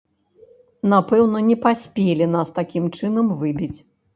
Напэўна, не паспелі нас такім чынам выбіць.